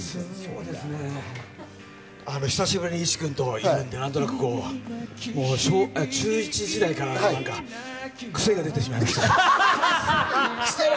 そうですね、久しぶりに石くんと何となく中１時代からの癖が出てしまいました。